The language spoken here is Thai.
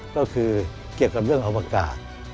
ก็คือเกี่ยวกับเรื่องอวกาศ